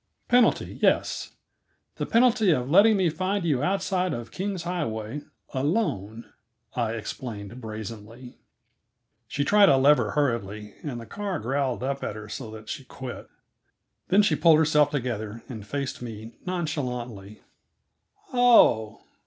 "Penalty; yes. The penalty of letting me find you outside of King's Highway, alone," I explained brazenly. She tried a lever hurriedly, and the car growled up at her so that she quit. Then she pulled herself together and faced me nonchalantly. "Oh h.